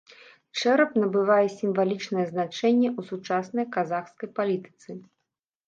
Чэрап набывае сімвалічнае значэнне ў сучаснай казахскай палітыцы.